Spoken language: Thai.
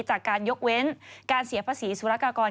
จากการยกเว้นการเสียภาษีสุรกากร